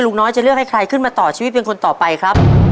น้อยจะเลือกให้ใครขึ้นมาต่อชีวิตเป็นคนต่อไปครับ